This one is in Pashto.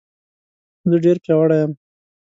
زه ډېر پیاوړی یم